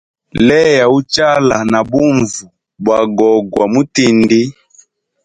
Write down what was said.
Leya uchala na bunvu bwa gogwa mutindi.